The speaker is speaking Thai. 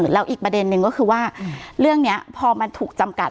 แล้วอีกประเด็นนึงก็คือว่าเรื่องนี้พอมันถูกจำกัด